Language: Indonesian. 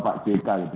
pak jk gitu